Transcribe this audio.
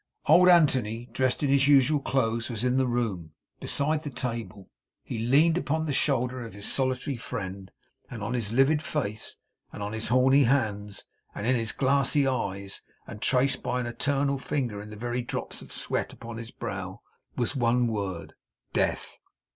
Old Anthony, dressed in his usual clothes, was in the room beside the table. He leaned upon the shoulder of his solitary friend; and on his livid face, and on his horny hands, and in his glassy eyes, and traced by an eternal finger in the very drops of sweat upon his brow, was one word Death.